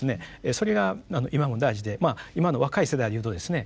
それが今も大事でまあ今の若い世代で言うとですね